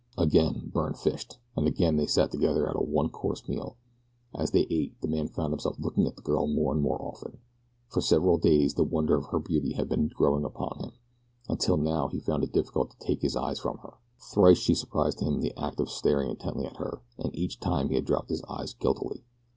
Again Byrne fished, and again they sat together at a one course meal. As they ate the man found himself looking at the girl more and more often. For several days the wonder of her beauty had been growing upon him, until now he found it difficult to take his eyes from her. Thrice she surprised him in the act of staring intently at her, and each time he had dropped his eyes guiltily.